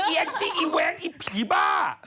ไอ้ไอศทรีย์ไอ้แวงอีบผีบ้า